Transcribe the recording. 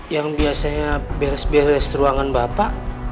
yang biasanya beres beres ruangan bapak